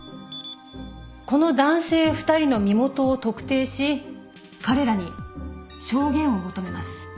この男性２人の身元を特定し彼らに証言を求めます。